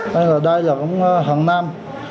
đây là hàng nam